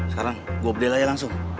sekarang gue update aja langsung